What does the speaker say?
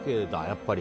やっぱり。